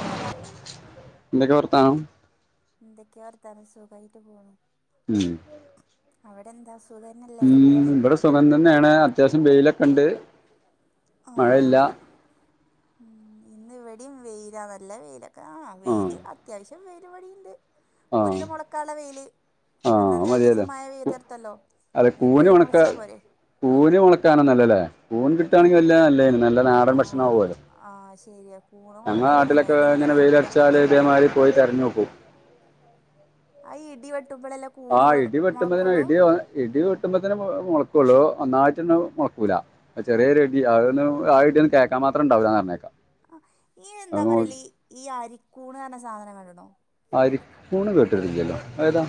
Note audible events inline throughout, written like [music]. Hello എന്തൊക്കെ വർത്താനം എന്തക്കെയ വർത്താനം സുഖായിട്ട് പോണു ഉം അവിടെ എന്താ സു ഉം ഇവിടെ സുഖം തന്നെയാണ് അത്യാവശ്യം വെയിലൊക്കെണ്ട് ആഹ് യി ഉം ഇന്ന് ഇവിടെയും വെയില നല്ല വെയില ആഹ് വെയില് അത്യാവശ്യം വെയിലിവിടിണ്ട് ആഹ് പുല്ല് മുളക്കാള്ള വെയില് ആഹ് കാരണം അത് രണ്ടീസം മതിയല്ലോ മയ വെയ്തെര്ത്തല്ലോ അതെ ഇനി പുല്ല് മൊളച്ചാ പോരെ? കൂന് മുളക്കാനെന്നല്ലലേ കൂന് കിട്ടാണെങ്കി വല്ല നല്ലേനു നല്ല നാടൻ ആഹ് ആഹ് ശരിയാ കൂണ് ഞങ്ങള മുളക്കാനൊന്നുമല്ല നാട്ടിലൊക്കെ അതിന് നല്ല ഇങ്ങനെ ഇടി വെട്ടണ്ടേ വെയിലർച്ചാല് ഇതേമാതിരി പോയി തെരെഞ്ഞൊക്കു ആ ഇടി വെട്ടുമ്പളല്ലെ ആഹ് ഇടി വെട്ടുമ്പെ തന്നെ ഇടി ഇ ഇടി വെട്ടുമ്പോ തന്നെ മുളക്കുള്ളൂ ഒന്നായിട്ടന്നെ മുളക്കൂല ചെറിയൊരു ഇടി അ ഒന്നു ആ ഇടിയൊന്നു കേക്കാ മാത്രം ഉണ്ടാവൂലന്നറിഞ്ഞേക്കാ ആ, ഈ എന്താ [unintelligible] പറയല് ഈ അരിക്കൂണറഞ്ഞ സാധനം കണ്ട്ണോ ആരിക്കൂണ് കേട്ടിട്ടില്ലല്ലോ അഅ് ഏതാ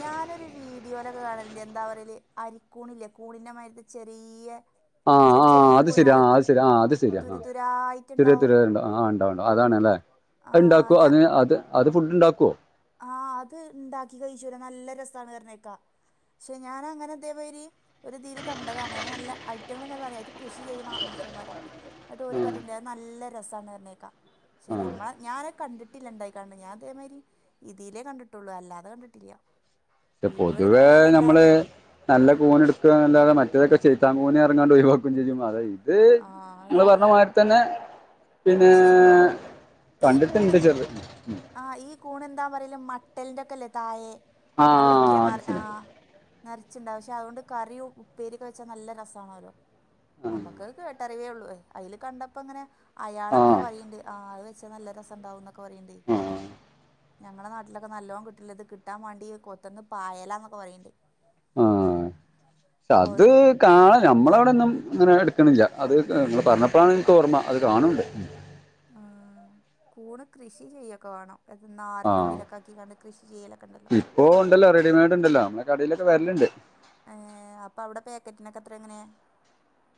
ഞാനൊരു വീഡിയോയിലൊക്കെ കാണലുണ്ട് എന്താ പറയല് അരിക്കൂണില്ലേ കൂണിന്റെ മാരിക്ക് ചെറിയ ആഹ് ചെറിയ ആഹ് ചെറിയ അത് ശരിയ കൂനാള് ആഹ് അത് ശരി ആഹ് അത് ശരിയാ ആഹ് തിരി, തുരുതുരായിട്ടുണ്ടാവും തിരിണ്ട ആഹ് ഇണ്ടാവും, ണ്ടാവും. അതാണല്ലേ ആ ഇണ്ടാക്കുവോ അതി, അത്, അത് ഫുഡ്ണ്ടാക്കുവോ? ആഹ് അത് ഇണ്ടാക്കി കഴിച്ചുരാ നല്ല രസാണ് വറഞ്ഞേക്കാ. ഷെ ഞാനങ്ങനെ ഇതേമായിരി ഒര്തീല് കണ്ടതാണ് അത് നല്ല ഐറ്റങ്ങള് പറയാ അയ് കൃഷി ചെയ്യണ മനുഷമ്മാര. എന്നിട്ടോര് പറയണ്ട് അത് നല്ല രസാണ്റഞ്ഞേക്കാം. ഷെ ഞമ്മള ആഹ് ഞാന കണ്ടി ട്ടിലിണ്ടായി കാണണ് ഞാ അതേമായിരി ഇതിലേ കണ്ടിട്ടുള്ളൂ. അല്ലാതെ കണ്ടിട്ടില്ല്യ. [unintelligible] പൊതുവേെ ഞമ്മള് നല്ല കൂന എടുക്കല്ലാതെ മറ്റേതൊക്കെ ചെയ്ത്താൻകൂനെറങ്ങാണ്ട് ഒഴിവാക്കുംചെയ്യും അതായി ത് ആഹ് അത് നിങ്ങള് ശരിയാ പറഞ്ഞമായിരി തന്നെ പിന്നെ പക്ഷെ കണ്ടിട്ടുണ്ട് ചെ ആ ഈ കൂണെന്താ പറയല് മട്ടലിന്റെക്കൊല്ലേ തായെ ആഹ് അവിടെക്കെയെന്ന അത് ശരി ആഹ് നെരച്ച്ണ്ടാവും ഷെ അതോണ്ട് കറിയും ഉപ്പേരിക്കെ വെച്ചാ നല്ല രസാണോരൊ ആഹ് അമ്മക്ക് കേട്ട വേള്ളൂ അയില് കണ്ടപ്പോങ്ങനെ അയാളങ്ങനെ ആഹ് പറയ്ണ്ട് ആ അ വെച്ച നല്ല രസം ഉണ്ടാവുന്നൊ കൊറെണ്ട്. ഞങ്ങളെ നാട്ടിലൊക്കെ നല്ലോം കിട്ടില്ലത് കിട്ടാം വാണ്ടി കൊത്തന്ന് പായലന്നൊക്കെ പറയ്ണ്ട്. ആഹ് [unintelligible] അത് ഓരോരു കാള് ഞമ്മളവിടൊന്നുംങ്ങനെ എട്ക്കണില്ല അത് ഇങ്ങള് പറഞ്ഞപ്പോഴാണ് എനിക്ക് ഓർമ്മ അത് കാണുംണ്ട്. ആഹ് കൂണ് കൃഷി ചെയ്യൊക്കവാണ്. അത് ആഹ് നാരിന്റഉള്ളിലൊക്കെ ആക്കിങ്ങാണ്ട് കൃഷി ചെയ്യലൊക്കെണ്ടല്ലോ. ഇപ്പോ ഉണ്ടല്ലോ റെഡിമെയ്ഡ് ഉണ്ടല്ലോ നമ്മളെ കടയിലൊക്കെ വരലുണ്ട് ഏ അപ്പൊ അവിടെ പാക്കറ്റിനൊക്കെ എത്ര എങ്ങനെ?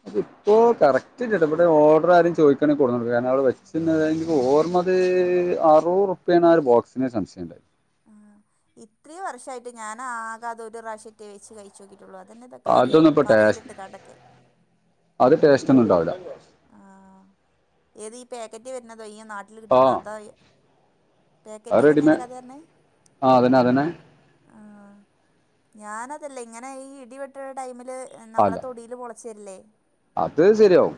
അതിപ്പോ കറക്റ്റ് ഇവിടെ ഓഡറാരും ചോയിക്കണെകൊടുന്നു കാരണം അവടെ വെച്ചന്നെതോർമ്മ ത് അറൂറുപ്പെണ് ആ ഒരു ബോക്സിന് സംശയം വര. ആ ഇത്രേം വർഷായിട്ട് ഞാനാകത് ഒരുറാഷറ്റെ വെച്ച് കഴി ച്ചോക്കിറ്റുള്ളൂ. അതന്നെന്ത കറിയോ അതൊന്നും ഇപ്പൊ ടേസ്റ്റ് കറിയിലിട്ട്ങ്ങാണ്ടക്കെ അത് ടേസ്റ്റോന്നും ഇണ്ടാവൂല. ആഹ് ഏത് ഈ പാക്കറ്റ് വരണതോ ഈ നാട്ടില് കിട്ടി ആ അതാ ഈ അത് പാക്കറ്റിവരണെന റെഡിമേ കഥറഞ്ഞെ ആ അതന്നെ അതന്നെ ആഹ് ഞാനതല്ലഇങ്ങനെ ഈ ഇടിവെട്ടടൈമില് നമ്മളെ അല്ല തൊടില് മൊള ച്ചെല്ലെ അത് ശരിയാവും.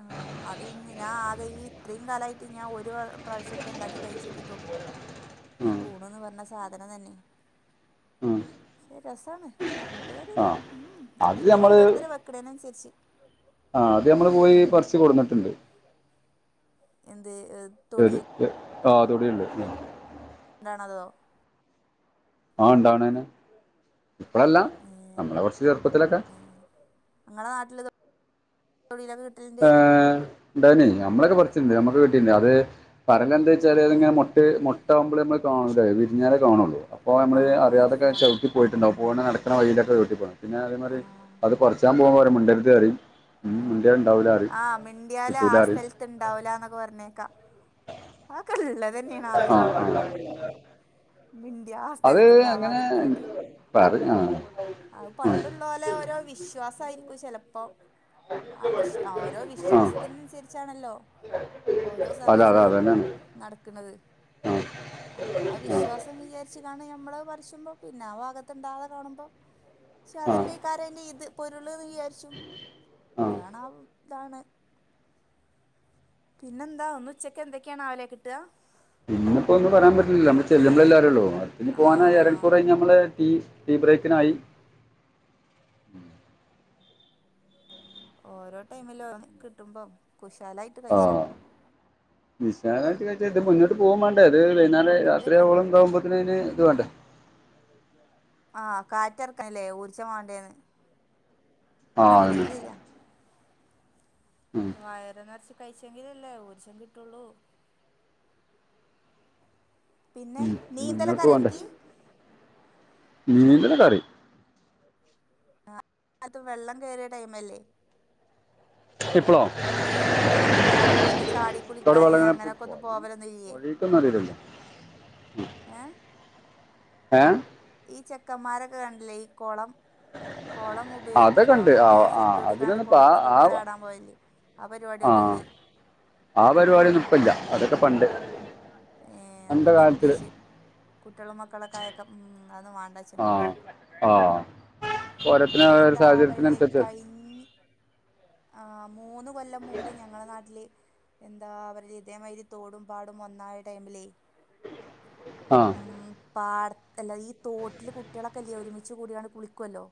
ആ അത് ഇഞ്ഞ് ഞാആകെ ഈ ഇത്രേം കാലായിറ്റ് ഞ ഒരു പ്രാവശ്യറ്റെ ഇണ്ടാക്കി കഴിച്ചോക്കിട്ടുള്ളു. ഈ ഉം കൂണ്ന്ന് പറഞ്ഞ സാധനം തന്നെ ആ ശെ രസാണ് പറഞ്ഞിട്ട് കാര്യല്ല. അത് ഞമ്മള് ആ അത് ഞമ്മള് പോയി പറിച്ച് കൊട്ന്നിട്ടുണ്ട്. എന്ത് എ ഏത് തൊടിൽ ആ തൊടിണ്ട്. എന്താണതോ. ആണ്ടാവണേന ഇപ്പഴല്ല നമ്മള കൊർച്ച് ചെറുപ്പത്തിലൊക്കെ ഞങ്ങള നാട്ടില തൊ തൊടിലക്ക കി ഡാന് ഞമ്മളൊക്കെ പറിച്ചിണ്ട് ഞമുക്ക് വീട്ടിണ്ട് അത് പറയണന്താച്ചാല് അതിങ്ങനെ മൊട്ടെ മൊട്ടാകുമ്പോള് ഞമ്മള് കാണുലെ വിരിഞ്ഞാലേ കാണുള്ളൂ. അപ്പോ ഞമ്മളിനി ആഹ് അറിയാതൊക്കെ ശരിയാ ചവിട്ടി പോയിട്ടുണ്ടാവും പോണ നടക്കണ വയിലൊക്കെ വട്ടി പോ പിന്നെ അതേമായിരി ആഹ് അത് കൊറച്ചാൻപോവുമ്പരെ മുണ്ടരുത്റയും. ആഹ്, ആഹ് മിണ്ടിയാല് ആ കിട്ടൂല പറയും സ്ഥൽ ത്ത്ണ്ടാവൂലന്നൊക്കെ പർണെക്കാ ആക്കെള്ളത് തന്നെണാവലെ. ആഹ് ആഹ് മിണ്ടിയ അത് അങ്ങനെ ആസ്ഥലത്തണ്ടാവാതിരിക്കലൊക്കെ. പറ ആഹ് അത് പണ്ട് ള്ളോലെ ഓരോ വിശ്വാസം ആയിരിക്കും ചെലപ്പോ ആ വിശ് ഓരോ ആഹ് ആഹ് വിശ്വാസത്തിനനുസരിച്ചാണല്ലോ ഓരോ അതെ അതെ സംഗതികളും. അതന്നെയാണ് നടക്ക്‌ണത് ആഹ് അപ്പൊ ആ ആഹ് വിശ്വാസം വിചാരിച്ച് കാണ്ട് നമ്മള് അത് പറിച്ചുമ്പോൾ പിന്നെ ആ ഭാഗത്തുണ്ടാതെ കാണുമ്പോൾ പക്ഷേ ആഹ് അതന്നക്കാരം അയിന്റെ ഇത് പൊരുള് എന്ന് വിചാരിച്ചും ആഹ് അതാണ് ആ ഇതാണ് പിന്നെന്താ ഇന്ന് ഉച്ചക്ക് എന്തൊക്കെയാണ് ആവലെ കിട്ടാ ഇന്നിപ്പോ ഒന്നും പറയാൻ പറ്റില്ലല്ലോ നമ്മൾ ചെല്ലുമ്പളല്ലെ അറിയൊള്ളൂ. അതിപ്പോ ഇനി പോവാനായി അര മണിക്കൂറ് ആഹ് കഴിഞ്ഞ് നമ്മൾ ടീ ടീ ബ്രേക്കിനായി ഓരോ ടൈമിലോരോന്ന് കിട്ടുമ്പം കുശാലായി ആഹ വിശാലായിട്ട് കയിച്ച ഇത് മുന്നോട്ട് പോകും വേണ്ട അല്ലേ അത് ഉം വൈന്നേരം കടയൊക്കെ രാത്രിയോളം താകുമ്പോത്തന് അതിന് ഇത് വേണ്ടേ ആഹ കാറ്റ് നെറക്കണല്ലേ ഊർജം വണ്ടേന്ന് ആ അത് ശരിയാ അതന്നെ ശരിയാ ഉം, വയറ നിറച്ച് കഴിച്ചെങ്കില് അല്ലേ ഊർജം കിട്ടുള്ളൂ പിന്നെ ഉം. നീന്തല് മുന്നോട്ട് ഒക്കെ അറിയോ അനിക്ക് നീന്തല് ഒക്കെ അറിയും എല്ലാടത്തും വെള്ളം കയറിയ ടൈംല്ലേ ഇപ്പളോ കൊളത്തില് ചാടി കുളിക്കാന് പോ- അങ്ങനെയൊക്കെ ഒന്ന് പോയി പോവലൊന്നും ഇല്ലേ [unintelligible] ഏഹ് ഏഹ് ഈ ചെക്കമാരൊക്കെ കണ്ടിലെ ഈ കൊളം കൊളം അതൊക്കെ ഉപയോഗിക്കുവല്ലോ ഉണ്ട് ആ ഇങ്ങട്ട് ആ സെറ്റ് കൂടിക്കാണ്ട് അതിനൊന്നും ഇപ്പൊ ആ കുളത്തക്കൊക്കെ ആ- ചാടാൻ പോയല്ലേ ആ ആ പരിപാടിയൊന്നുമില്ലേ ആ പരിപാടി ഒന്നും ഇപ്പല്ല്യ അതൊക്കെ പണ്ട് ഏഹ് അത് ഒക്കെ അന്നത്തെ നിർത്തി കാലത്തിൽ വെച്ച് കുട്ട്യാളും മക്കളൊക്കെ ആയൊക്കെ ഉം അത വേണ്ട ആഹ ആഹാ പോരാത്തനി ഒരു എന്താ സാഹചര്യത്തിന് പറയല് അനുസരിച്ച് കഴിഞ്ഞ ആ മൂന്ന് കൊല്ലം മുമ്പ് ഞങ്ങളെ നാട്ടില് എന്താ അവരിൽ ഇതേമാതിരി തോടും പാടും ഒന്നായ ടൈമിലേ ആ ഉ പാട അല്ലാതെ ഈ തോട്ടില് കുട്ടികളൊക്കെ ഇല്ലേ ഒരുമിച്ച് കൂടിയാണ്ട് കുളിക്കുവല്ലോ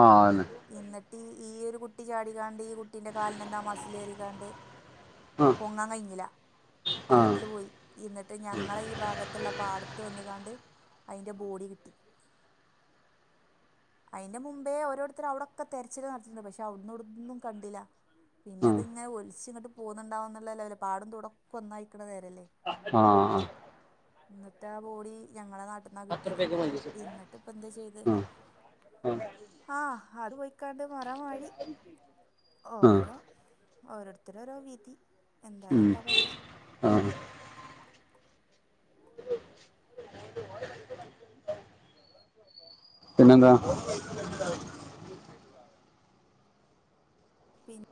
ആ അയെന്നെ എന്നിട്ട് ഈയൊരു കുട്ടി ചാടിക്കാണ്ട് ഈ കുട്ടീന്റെ കാലിനെന്താ മസ്സിലേറിക്കാണ്ട് ആ പൊങ്ങാൻ കഴിഞ്ഞില്ല ആ വെള്ളത്തില് പോയി ഇന്നിട്ട് ഞങ്ങള ഭാഗത്തുള്ള പാടത്ത് വന്ന്കാണ്ട് അയിന്റെ ബോഡി കിട്ടി അതിന്റെ മുമ്പേ ഓരോരുത്തർ അവിടൊക്കെ തെരച്ചിൽ നടത്തണ്ട് പക്ഷെ അവിടന്ന് എവ്ട്ന്നും കണ്ടില്ല പിന്നെ ആ അതിങ്ങെനെ ഒലിച് ഇങ്ങട്ട് പോന്നുണ്ടാവും, എന്നുള്ള ലവലോ പാടും തോടും ഒക്കെ ഒന്നായിരിക്കണ നേരമല്ലേ ആഹ് ന്ന്ട്ടാ ആ ബോഡി ഞങ്ങളെ നാട്ടന്നാ കിട്ടിയത് ഇന്നിട്ട് ഇപ്പം എന്താ ചെയ്ത്. ആ ആ ആഹാ അത് പോയിക്കാണ്ട് മറ മാടി. ഓരോ ഓരോരുത്തരെ ഓരോ വിധി, അല്ലാതെ എന്താ പറയുക ആഹ് പിന്നെന്താ? പിന്ന,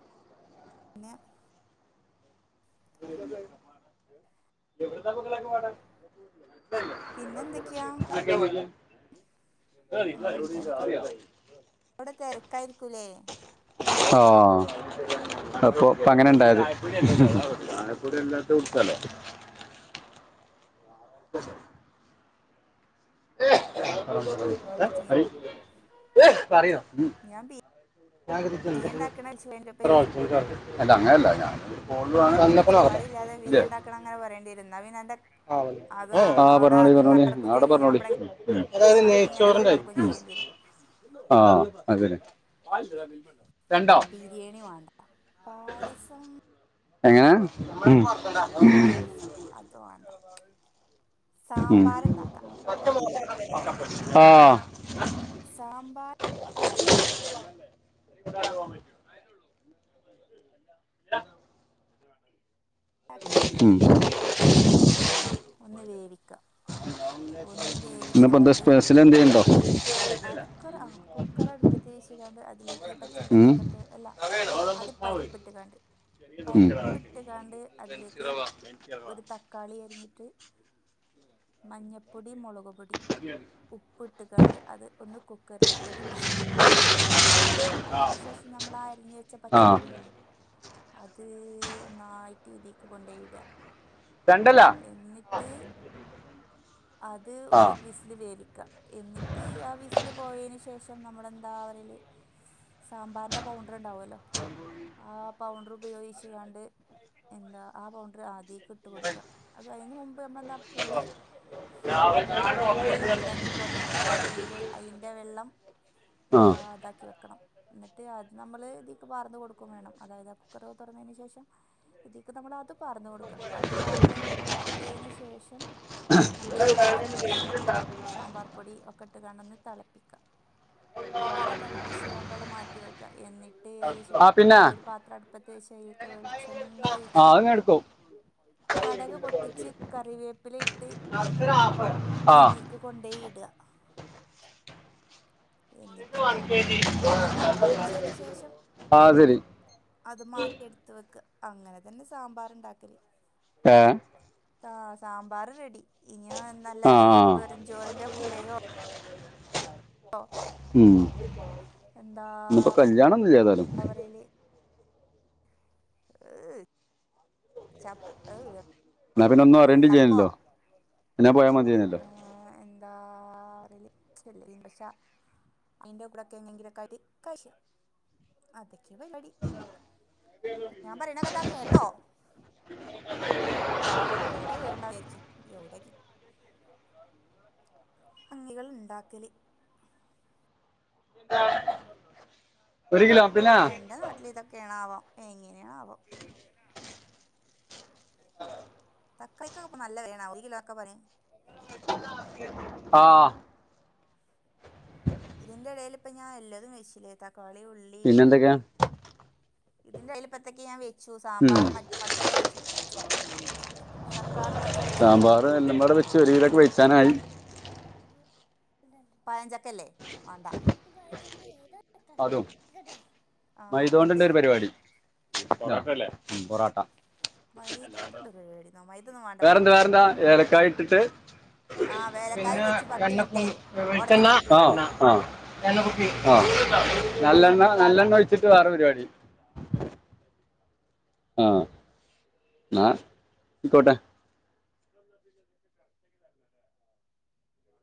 പിന്നെ എവിടുത്തൊ മകളെഒകെ പാടെ പിന്നെ എന്തൊക്കെയാ? [inaudible] വിടെ തെരക്കായിരിക്കലേ? ആഹ് അപ്പൊ പങ്ങനെ ഉണ്ടായത് [unintelligible] ഏ എന്താ ചെയ്യാ പറയോ, ഏഹ് പറയോ ഞാൻ ബിരിയാണി ഉണ്ടാക്കണ വിളിച്ചു കഴിഞ്ഞപ്പോ ഇനി [unintelligible] അല്ല അങ്ങല്ല ഞാൻ ഫോണ് [unintelligible] മക്കളെങ്ങനെ പറേണ്ടിയിരും, ന്ന പിന്നെ അന്റെ അത് ആ അവിടെ പറഞ്ഞോളി അത് പറഞ്ഞോളി നടക്കും അവിടെ ചെയ്യും ഞാൻ പറഞ്ഞോളി ഇവിടെ ഉം. ങ്ങനെ തോള്ളർക്കും ചെയ്യേണ്ടി വരും ആഹ് അതന്നെ ഇപ്പൊ ബിരിയാണി വാണ്ടാ പായസം എങ്ങനെ മം മം പായസം അത് വാണ്ട. മം ആഹ് സാമ്പാർ ഡാ അകലെ എന്താ ഒന്ന് വേവിക്കാ. ഒന്ന് വേവിച്ച് ഇന്നിപ്പോ എന്താ സ്‌പെഷൽ എന്തേലും ഇണ്ടോ അത് കുക്കർ ആഹ് കുക്കറെ അടുപ്പത് വെച്ച്കാണ്ട് അതിലേക്ക് ഈ ഉം. പച്ചക്കറിയൊക്കെ ഇട്ട് അല്ല ആദ്യ പരിപ്പ്ട്ട് കാണ്ട് ഉം. പരിപ്പിട്ടുകാണ്ട് അതിലേക്ക് ഒരു തക് ക്കാളിയരിഞ്ഞിട്ട് മഞ്ഞപ്പൊടി മൊളകുപൊടി ഉപ്പിട്ട്കാണ്ട് അത് ഒന്ന് കുക്കറില് ഒരു വിസില് അടിച്ച് വേവിച്ച് വെക്കാ അതിനുശേഷം ഞമ്മളാ അരിഞ്ഞുവെച്ച ആ പച്ചക്കറി ല്ലെ അത് ഒന്നായിട്ടിതീക്ക് കൊണ്ടോയിടാ രണ്ടല്ലാ എന്നിട്ട് അത് ആ ഒരു വിസില് വേവിക്കാ എന്നി തീ ആ വീസ്ല് പോയതിന് ശേഷം നമ്മളെന്താ പറയല് സാമ്പാറിന്റെ പൗണ്ട പ്പണ്ടാവല്ലോ ആ പ് പൗണ്ടർ ഉപയോഗിച്കാണ്ട് എന്താ ആ പൗണ്ടർ ആദ്യം ആയിക്ക് ഇണ്ട് കൊടുക്ക. അപ്പ അതിന് മുമ്പ് നമ്മളെന്താ പുളി എന്താ വെള്ളത്തിലാക്കി പൊതിർ ന്റെ വെള്ളം, ആ എന്താ ഇതാക്കി വെക്കണം എന്നിട്ട് അത് നമ്മള് ഇതീക്ക് പാർന്നുകൊടുക്കും വേണം അതായത് ആ കുക്കറു തുറന്നതിനു ശേഷം ഇതീക്ക് നമ്മൾ അതുപാർന്നു കൊടുക്കുക അത് പാർന്നുകൊടുത്തതിന് ശേഷം നമ്മൾ ഈ കാരപ്പൊടി [unintelligible] സാമ്പാർ പൊടി ഒക്കെയിട്ടുകാണ്ടൊന്ന് തെളപ്പിക്കാ നല്ലോന്ന് തിളപ്പിച്ച് കണ്ട് അവിടെ മാറ്റി വെക്കുക എന്നിട്ട് ആ പിന്നെ [unintelligible] ഒരു പാത്രഅടുപ്പത്ത് വച്ച് അയ്ലേക്ക് വെളിച്ചെണ്ണ ആ ഒഴിച്ച് അത് എടുക്കും കടക് പൊട്ടിച്ച് കറിവേപ്പില ഇട്ട് ആ ഇതി ത്കൊണ്ടേയി ഇട എന്നിട്ടെന്താ അത് തിളച്ചതിന് ശേഷം ആ ശരി അത് മാറ്റി എടുത്ത വെക്ക അങ്ങനെ തന്നെ സാമ്പാർ ഉണ്ടാക്കല് ഏ ആ സാമ്പാർ റെഡി ഇനിയ നല്ല ആ ആ വെറുംചോറിന്റെ കൂടെയോ ഉം ഇന്ന്പ്പോ കല്യാണൊന്നില്ലേതാലും പ്രേല് ഏഹ് ചപ്പ് ഏഹ് ന്നാ പിന്നൊന്നും അറേയ്ണ്ടില്ലേയ് നല്ലോ പിന്നാ പോയാ മതി ഏ എന്താ [unintelligible] അയിൻ്റെ [unintelligible] ക്കാലെക്കായിട്ട് കൈശോ അതെക്കെ പരിവാടി ഞാൻ പറിണൊക്കെത്താ കേട്ടോ ഏല കീറണർച്ച് എവ്ടക്കി [unintelligible] ഭംഗികൾ ഇണ്ടാക്കല് [inaudible] ഒരു കിലോം പിന്നെ തന്റെ നാട്ടിലിതക്കെയാണാവോ എങ്ങനെയാണാവോ തക്കളിക്ക ഇപ്പോ നല്ല വിലയാണ് ഒരു ഒരു കിലോ ഒക്കെ പറയും ഇത് ആഹ് ഇതിന്റെ ഇടയിൽ ഇപ്പ ഞാൻ എല്ലാതും വെച്ചില്ലേ തക്കാളി ഉള്ളി പിന്നെ എന്തൊക്കെയാ ഇതിന്റെ ഏൽപ്പത്തേക്കു ഞൻ വെച്ചു ഉം സാമ്പാറും മറിച്ചതും ഒക്ക വെച്ചു സക്കാറും ഇതൊക്കെ വെച്ചു സാമ്പാർ എല്ലാം പാടെ വെച്ച് ഒരു കിലോക്ക് വെച്ചാനായി പായഞ്ചക്കല്ലേ മാണ്ട. അതും ആ എന്ത്? പൊറട്ടല്ല പൊറോട്ട മൈ തോണ്ടുരു പരിപാടി മൈതൊന്നുമാ വെറെ എന്താ വെറെ എന്താ ഏലക്കായി ഇട്ട്ട്ട് ആ വേലക്കായും പിന്നെ വെച്ച് പത്ത് കണ്ണപ്പം മിനിറ്റായി ഓടുന്ന് വന്ന ആ നല്ലെണ്ണ നല്ലെണ്ണ ഒഴിച്ചിട്ട് വേറെരുപരിപാടി ആഹ്. ന്നാ അയ്ക്കോട്ടെ